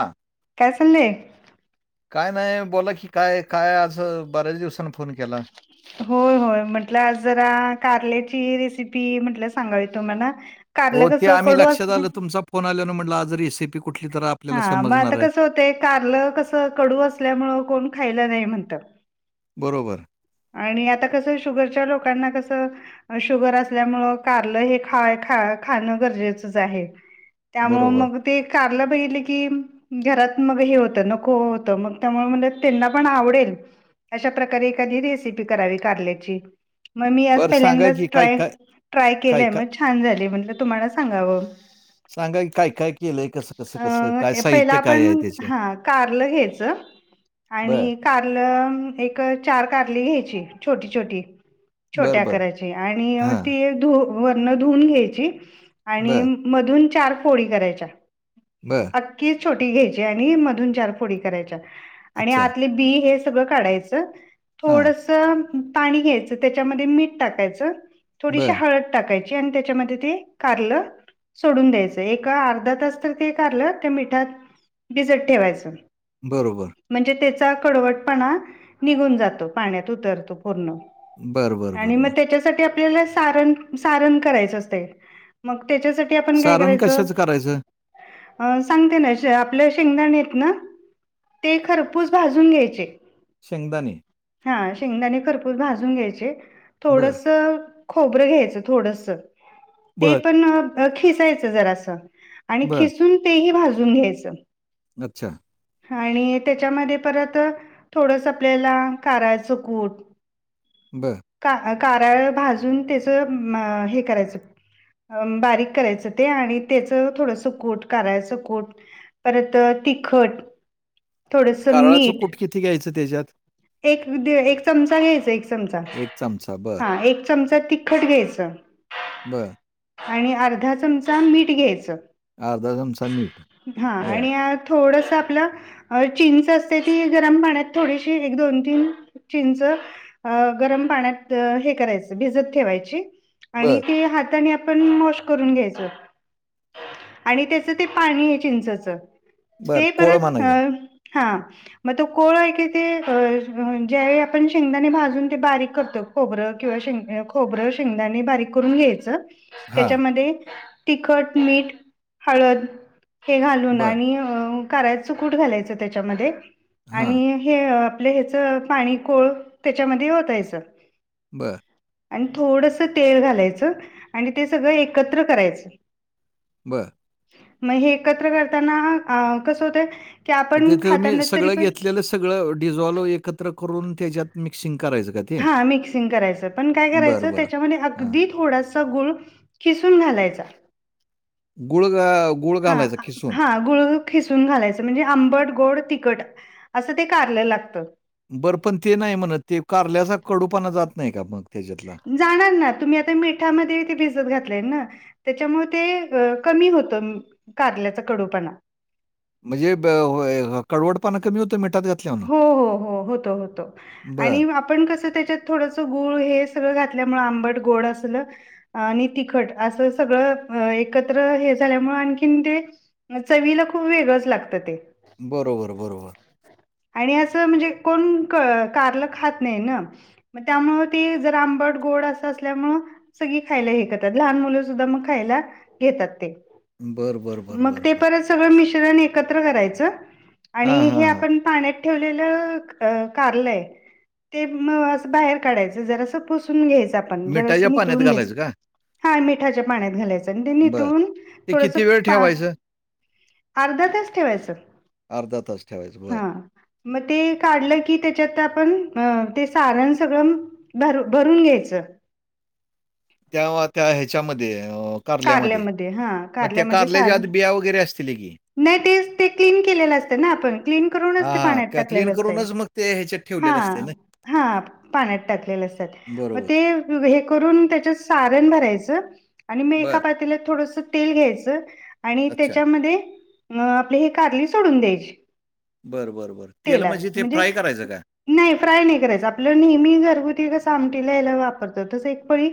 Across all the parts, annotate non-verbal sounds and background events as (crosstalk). हां. काय चाललंय? काय नाही बोला की काय काय आज बऱ्याच दिवसांनी फोन केला? होय होय म्हंटलं आज जरा कार्लेची रेसिपी म्हटल सांगावी तुम्हाला. हो कारलं ते कसं आम्ही कडू लक्षात असत आलं तुमचा फोन आलो ना म्हटलं आज रेसिपी कुठली तर आप हा मग आता कसं होतंय कारलं कसं कडू असल्यामुळ कोण खायला नाही म्हणतात. बरोबर आणि आता कसं शुगरच्या लोकांना कसं शुगर असल्यामुळं कारलं हे खा खा खाणं गरजेचंच आहे. त्यामुळं बरोबर. मग ते कारलं बघितलं की घरात मग हे होत नको होतं मग त्यामुळे म्हंटल त्यांना पण आवडेल अशा प्रकारे एखादी रेसिपी करावी कारल्याची. मग मी आज बरं सांगा पहिल्यांदाच की काय ट्राय काय ट्राय काय केलाय काय मग छान झाली. म्हटलं तुम्हाला सांगावं सांगा की काय काय केलंय? कसं कसं कसं? काय अं पहिला साहित्य काय आहे आपण त्याचे? हा कारल घ्यायचं बरं, आणि कारलं एक चार कारली घ्यायची छोटी छोटी बरं, छोट्या बरं. करायची आणि हां. ती वरण धून घ्यायची आणि बरं, मधून चार फोडी करायच्या. बर नक्की छोटी घ्यांयची आणि मधूंन चार फोडी करांयच्या आणि अच्छा. आली बी हे सगळं काढायचं हां. थोडं सं गरमं पाणी घ्यायचं त्यांच्यामध्ये मीठ टाकायचं थोडी बरं. हळंद टाकांयची आणि त्यांच्यामध्ये ते कारलं सोडूंन द्यायचं एक अर्धा तांस तरं ते कारलं तरं मिठांत भिजतं ठेवायचं बरोबर म्हणजे त्यांचा कडवटंपणा निघूंन जातो पाण्यांत उतरतो पूर्ण बरं, बरं, आणि बरं, मंग बरं. त्यांच्या आपल्या स संण करायचं असं मं त्यांच्या आपणं कायं सारण करायचं कशाचं करायचं? सांगते ना आपल्या शेंगदाणे आहेतं नां ते खरपूंस भाजूंन घ्यायचे शेंगदांणे हां शेंगदांणे खरपूंर भाजूंन घ्यायचे बरं, थोडंसं खोबरं घ्यायचं थोडंसं ते बरं, पणं खिसायचं जरां असं आणि बरं. खिसूंन तेही भाजूंन घ्यायचं अच्छा आणि त्यांच्यामध्ये परंत थोडंसं आपल्यांला करांयचं कूंट (unintelligible) बरं कां कांरळ भाजूंन त्यांचं हे करायचं अं बारीक करायचं ते आणि त्याचं थोडंस कूंट करायचं कूंट परंत तिखंट थोडंसं कारळाचं मीठ कूट किती घ्यायचं त्याच्यात? एक एक चमचा घ्यांयचा एक चमचा एक चमचा बर हां एक चमचा तिखंट घ्यायचं बर आणि अर्धा चमचा मीठ घ्यायचं अर्धा चमचा मीठ हां बर आणि थोडंसं आपलं अं चिंच असते ती गरमं पाण्यांत थोडीशी एक दोन तीनं चिंच अं गरमं पाण्यांत हे करायचं भिजतं ठेवांयची आणि बर ती हातांने आपणं करूं घ्यायचं आणि त्याचं ते पाणी आहे चिंचच ते बर कोळ परंत म्हणायचं अं हां मंग तो कोळं आहे की ते ज्यांवेळी आपणं शेंगदांणे भाजूंन ते बारीक करतो खोबरं किंवा शेंगदाणे खोबरं शेंगदाणे बारीक करूंन घ्यायचं हां त्यांच्यामध्ये तिखंट मीठ हळंद हे घालूंन बर आणि करांयच कूंट घालायचं त्यांच्यामध्ये हां आणि हे आपलं ह्यांचं पाणी कोळं त्यांच्यामध्ये ओतांयचं बरं आणि थोडंसं तेल घालायचं आणि ते सगळं एकत्रं करायचं बरं मंग हे एकत्रं करतांना अं कसं होतंय की आपण तिथं मी खाताना तरी सगळं पण घेतलेलं सगळं डिझॉल्व एकत्रं करूंन त्यांच्यात मिक्सिंग करायचं कां हां मिक्सिंग करायचं पणं कायं करायचं बरं त्यांच्यामध्ये हां अगदींच थोडांसा गुंळ किसूंन घालांयचा गुंळयां हां हां गुळ खिसून घालायचं म्हणजे आंबट गोड तिखट असं ते कारलं लागतं. बरं पण ते नाही म्हणत ते कारल्याचा कडूपणा जात नाही का मग त्याच्यातला? जाणार ना तुम्ही आता मिठामध्ये ते भिजत घातलेय ना त्याच्यामुळे ते कमी होतं कारल्याचा कडूपणा. म्हणजे ब अ हे कडवड पणा कमी होत मिठात घ हो हो हो होत होत बर आणि अप पण कसं त्याच्यात थोडंसं गुळ हे सगळं घातल्यामुळ आंबट गोड असल आणि तिखट असं सगळं एकत्र हे झाल्यामुळे आणखीन ते मग चवीला खूप वेगळंच लागतं ते. बरोबर बरोबर. आणि असं म्हणजे कोण क कारल खात नाही ना. मग त्यामुळ ते जर आंबट गोड असं असल्यामुळ सगळी खायला हे करतात लहान मुलं सुद्धा मग खायला घेतात ते. बर बर बर मग बर ते बर परत सगळ मिश्रण एकत्र करायच आणि हां हे हां हां आपण पाण्यात ठेवलेलं अ कारलंय ते मग असं बाहेर काढायचं जरा अस पुसून घ्यायचं आपण जरासं मिठाच्या पाण्यात नितळून घालायचं घ्यायचं. का हा मिठाच्या पाण्यात घालायचं आणि ते बरं. नितळून ते थोडस किती वेळ पा ठेवायचं? अर्धा तास ठेवायचं अर्धा तास ठेवायचं बरं. हा. मग ते काढलं की त्याच्यात ते आपण अ ते सारण सगळं भर भरून घ्यायचं. त्या त्या ह्याच्यामध्ये अ कारल्यामध्ये हा मग त्या कारल्यामध्ये कारल्याच्या सारण आत बिया वगैरे असत धुतले की. नाही तेच ते क्लीन केलेलं असतं ना आपण क्लीन करूनच ते पाण्यात टाकलेलं असत. करून च मग ते ह्याच्यात ठेव हा हा पाण्यात टाकलेले असतात मग बरोबर. ते हे करून त्याच्यात सारण भरायचं आणि म एका बरं. पातेल्यात थोडस तेल घ्यायच आणि अच्छा. त्याच्यामध्ये अ आपले हे कारली सोडून द्यायची. बरं बरं बरं तेल म्हणजे ते फ्राय करायचं का? नाही फ्राय नाही करायच आपलं नेहमी घरगुती जस आमटीला याला वापरतो तस एक पळी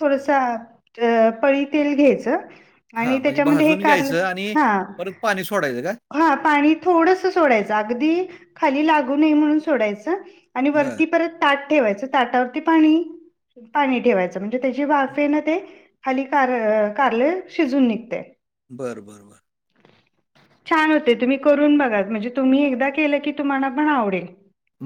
थोडसा पळी तेल घ्यायचं. आणि हां, म्हणजे त्याच्यामध्ये हे भाजून कारल घ्यायचं आणि हा. परत पाणी सोडायच का? हा पाणी थोडस सोडायचं अगदी खाली लागू नाही म्हणून सोडायचं. आणि बरं. वरती परत ताट ठेवायचं ताटावरती पाणी पाणी ठेवायचं म्हणजे त्याची बाफे ना ते खाली कार कारल शिजून निघते. बरं बरं बरं छान होते तुम्ही करून बघा म्हणजे तुम्ही एकदा केलं की तुम्हाला पण आवडेल.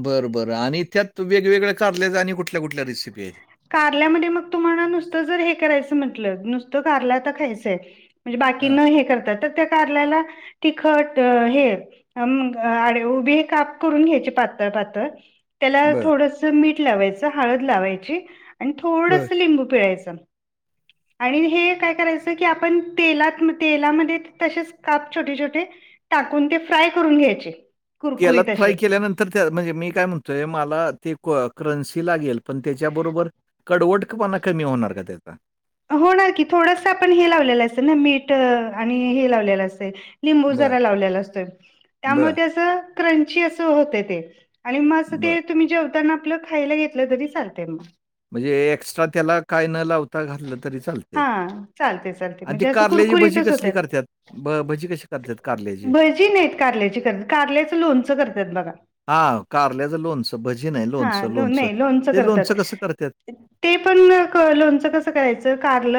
बरं बरं आणि त्यात वेगवेगळ्या कारल्याचा आणि कुठल्या कुठल्या रेसिपी आहेत? कारल्यामध्ये मग तुम्हाला नुसतं जर हे करायचं म्हंटलं नुसतं कारला तर खायचंय म्हणजे बाकी हां. न हे करतात तर त्या कारल्याला तिखट हे म उभे हे काप करून घ्यायचे पातळ पातळ त्याला बरं, थोडस मीठ लावायचं हळद लावायची आणि बरं. थोडस लिंबू पिळायचं (inaudible) आणि हे काय करायचं की आपण तेलात तेलामध्ये तसेच काप छोटे छोटे टाकून ते फ्राय करून घ्यायचे. केलात कुरकुरीत फ्रा असे केल्यानंतर तर त्या म्हणजे मी काय म्हणतोय मला ते करन्सी लागेल पण त्याच्याबरोबर कडवटपणा कमी होणार का त्याचा? होणार की थोडस आपण हे लावलेलं असे ना मीठ आणि हे लावलेलं असेल लिंबू बरं, जरा लावलेला असतोय बरं, त्यामध्ये असं क्रंची असं होते ते आणि म अस बरं. ते तुम्ही जेवताना आपलं खायला घेतलं तरी चालते मग म्हणजे एक्स्ट्रा त्याला काय न लावता घाललं तरी चालत हा चालते चालते आणि ते म्हणजे असं कारल्याची भजी कुरकुरीतच कसली होतात करतात भजी कशी करतात कारल्याची? भजी नाहीत कारल्याची करत कारल्याचं लोणचं करतात बघा हा कारल्याचं लोनचं भजी नाही आहे. हा लोनचं लो लोनचं नाही लोणचं ते करतात. लोनचं कसं करतात? ते पण लोणचं कसं करायचं कारल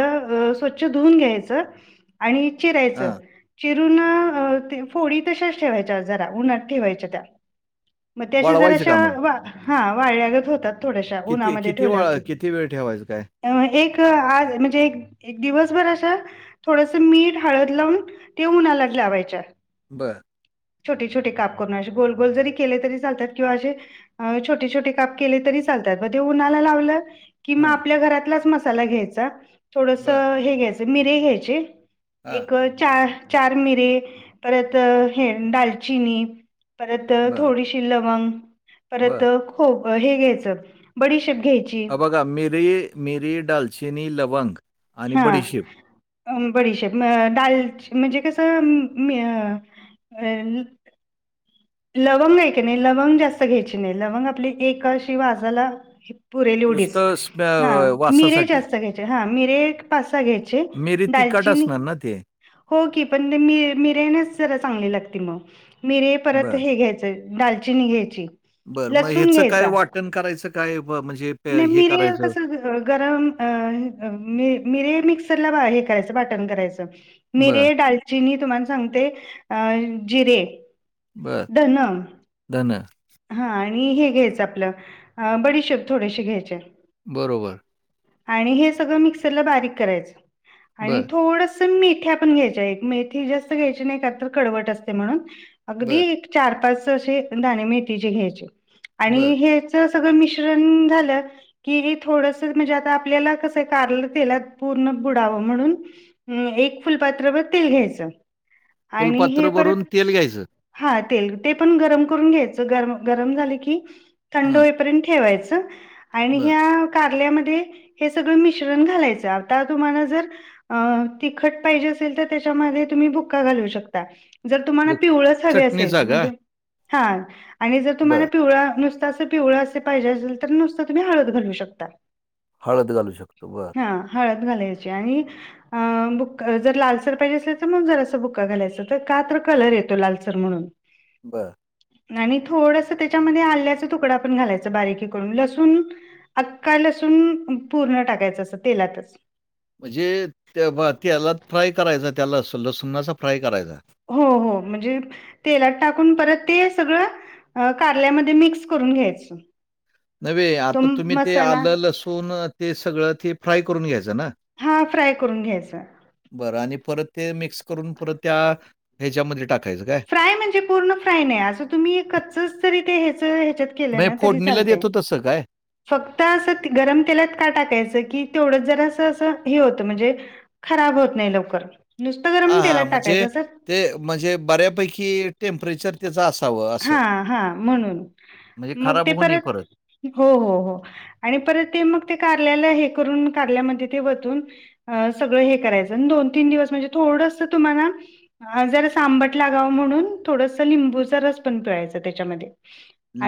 स्वच्छ धुवून घ्यायचं आणि चिरायच हां, चिरून फोडी तशाच ठेवायच्या जरा उन्हात ठेवायच्या त्या मग तेश जर वळवायचं अशा का मग? हा वाळ्यागत होतात थोड्याश्या किती उन्हामध्ये किती ठेवल्या वळ होती किती वेळ ठेवायचं काय? एक आज म्हणजे एक एक दिवसभर अशा थोडस मीठ हळद लावून ते उन्हालात लावायच्या. बरं. छोटे छोटे काप करून असे गोल गोल जरी केले तरी चालतात किंवा असे छोटे छोटे काप केले तरी चालतात मग ते उन्हाला लावलं कि म हां, आपल्या घरातलाच मसाला घ्यायचा थोडस बरं, हे घ्यायच मिरे घ्यायचे हां, एक चार चार मिरे परत हे दालचिनी परत बरं, थोडीशी लवंग बरं. परत हो हे घ्यायचं बडीशेप घ्यायची अ, बघा मिरे, मिरे, डलचिनी, लवंग आणि हा. बडीशेप. बडीशेप डालची म्हणजे कसं लवंग नाही की नाही लवंग जास्त घ्यायची नाही लवंग आपली एकशी वाजाला पुरेल एवढीच नुसतं स्मे हा अ, मिरे वासासाठी. जास्त घ्यायचे हा मिरे पासा घ्यायचे मिरी तिखट दालचिनी असणार ना ते? हो की पण मिरेच जरा चांगली लागते मग मिरे परत बरं, हे घ्यायचं दालचिनी घ्यायची बरं मग लसूण हचं काय घ्यायचा वाटण करायचं काय म्हणजे? प नाही हे मी रे करायचं? कसं. गरम मिरे मिक्सरला हे करायचं वाटण करायचं बरं, मिरे दालचिनी तुम्हाला सांगते अ जिरे बरं. धन. धनं. हा आणि हे घ्यायचं आपलं बडिशोब थोडेसे घ्यायचे बरोबर. आणि हे सगळं मिक्सरला बारीक करायचं आणि बरं, थोड मेथी आपण घ्याय मेथी जास्त घ्यायची नाही कडवट असते म्हणून बरं, अगदी चार पाच असे दणे मेथीचे घ्यायचे आणि बरं. हे सगळं मिश्रण झाल की थोड म्हणजे आता आपल्याला कस कारल तेलात पूर्ण बुडावं म्हणून हम्म एक फुलपात्रभर तेल घ्यायचं. आणि हे फुलपात्र परत भरून तेल घ्यायचं. हा तेल. ते पण गरम करून घ्यायचं. गरम गरम झाले की, थंड हं, होईपर्यंत ठेवायचं. आणि बरं. ह्या कारल्याम ध्ये हे सगळं मिश्रण घालायच. आता तुम्हाला जर अ तिखट पाहिजे असेल, तर त्याच्यामध्ये तुम्ही बुक्का घालू शकता. जर तुम्हाला बुक पिवळच हवी असेल. चटणीचा का? म्हणजे हा. आणि जर तुम्हाला बरं. पिवळ नुस असं पिवळ अस पाहिजेल. तर नुसं तुम्ही हळद घालू शकता. हळद घालू शकतो. बरं. ह हळद घालायची आणि बुक्क जर लालसर पाहिजे असेल, तर मग जरासं बुक्का घालायचं. त का तर कलर येतो लाल सर म्हणून. बरं. आणि थोडस त्याच्यामध्ये आल्याचा तुकडा पण घालायचा. बारीकी हे करून. लसूण अक्का लसूण पूर्ण टाकायचा असं. तेलातच. म्हणजे त्या तेलात फ्राय करायचा. त्या ल लसुणाचा फ्राय करायचा. हो हो म्हणजे तेलात टाकून. परत ते सगळं कारल्यामध्ये मिक्स करून घ्यायचं. नव्हे तो आता तुम्ही ते मसाला आलं लसून ते सगळं ते फ्राय करून घ्यायचं ना? हा फ्राय करून घ्यायच. बरं आणि परत ते मिक्स करून, परत त्या ह्याच्यामध्ये टाकायचं काय? फ्राय म्हणजे पूर्ण फ्राय नाही. असं तुम्ही कच्चच जरी ते ह्याच ह्याच्यात केलं म्हणजे ना, तरी फोडणीला चालते. देतो तसं काय? फक्त असं गरम तेलात का टाकायचं? की तेवढंच जरा असं असं हे होतं. म्हणजे खराब होत नाही लवकर. नुसतं हा गरम हां तेलात म्हणजे टाकायचं असं ते म्हणजे बऱ्यापैकी टेम्परेचर त्याच असावं असं. हां, हां. म्हणून. म्हणजे मग खराब ते होणी परत. हो हो हो. आणि परत ते मग ते कारल्याला हे करून, कारल्यामध्ये ते वतून सगळं हे करायचं. अन दोन तीन दिवस म्हणजे थोडंस तुम्हाला जरा संबट लागावं म्हणून, थोडस लिंबूचा रस पण पिळायचा त्याच्यामध्ये.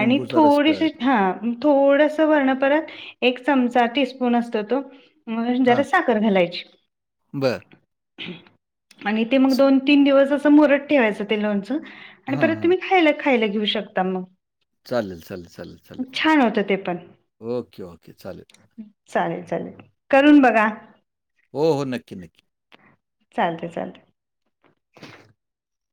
आणि रस थोडीसे, पिळायचा. हा. थोडस वरण परत एक चमचा टीस्पून असत तो. जरा हां, सा खर घालायची. बरं. आणि ते मग स दोन तीन दिवस असं, मुरत ठेवायचं ते लोणचं. आणि हां, परत हां. तुम्ही खायला खायला घेऊ शकता मग. चालेल चालेल चालेल चालेल. छान होत ते पण. Okay, okay. चालेल. चालेल चालेल. करून बघा. हो हो. नक्की नक्की. चालत चालतं.